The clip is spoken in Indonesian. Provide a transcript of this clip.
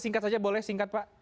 singkat saja boleh singkat pak